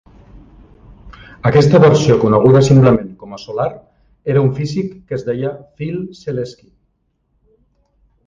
Aquesta versió, coneguda simplement com a Solar, era un físic que es deia Phil Seleski.